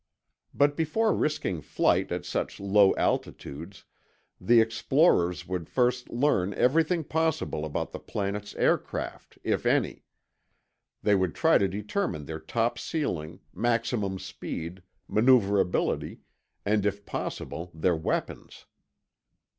But before risking flight at such low altitudes, the explorers would first learn everything possible about the planet's aircraft, if any. They would try to determine their top ceiling, maximum speed, maneuverability, and if possible their weapons.